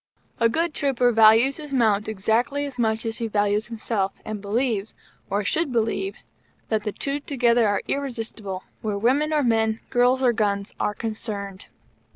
A good trooper values his mount exactly as much as he values himself, and believes, or should believe, that the two together are irresistible where women or men, girl's or gun's, are concerned.